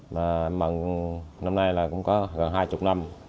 mà em mận năm nay là cũng có gần hai mươi năm